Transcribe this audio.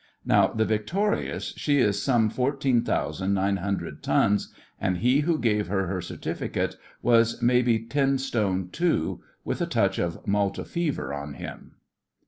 Now the Victorious, she is some fourteen thousand nine hundred tons, and he who gave her her certificate was maybe ten stone two—with a touch of Malta fever on him!